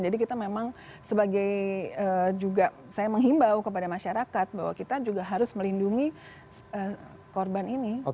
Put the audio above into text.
jadi kita memang sebagai juga saya menghimbau kepada masyarakat bahwa kita juga harus melindungi korban ini